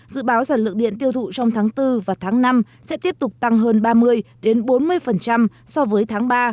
dự báo sản lượng điện tiêu thụ trong tháng bốn và tháng năm sẽ tiếp tục tăng hơn ba mươi bốn mươi so với tháng ba